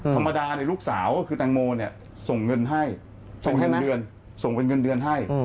ธรรมดาในลูกสาวคือตางโมนเนียส่งเงินให้